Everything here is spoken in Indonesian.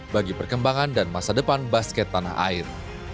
bagi perkembangan dan masa depan basket tanah air